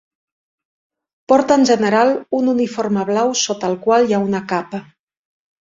Porta en general un uniforme blau sota el qual hi ha una capa.